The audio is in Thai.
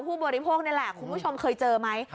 ผู้บริโภคนี่แหละคุณผู้ชมเคยเจอไหม